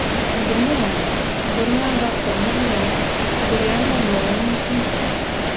bilmeýän, görmeýän zatlaryňy bilýän, görýän bolmagam mümkin.